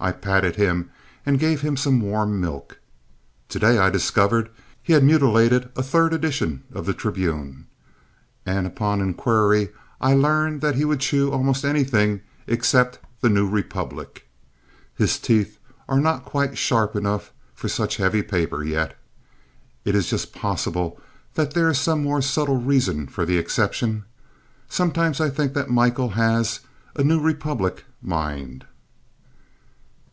I patted him and gave him some warm milk. To day I discovered he had mutilated a third edition of The Tribune. And upon inquiry I learned that he would chew almost anything except The New Republic. His teeth are not quite sharp enough for such heavy paper yet. It is just possible that there is some more subtle reason for the exception. Sometimes I think that Michael has a "New Republic" mind.